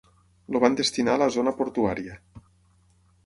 El van destinar a la zona portuària.